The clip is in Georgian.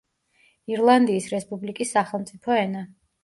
ირლანდიის რესპუბლიკის სახელმწიფო ენა.